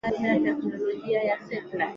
i inavyoendelea nchi inavyo develop